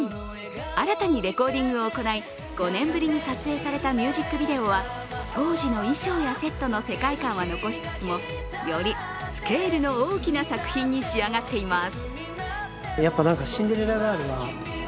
新たにレコーディングを行い５年ぶりに撮影されたミュージックビデオは当時の衣装やセットの世界観は残しつつもよりスケールの大きな作品に仕上がっています。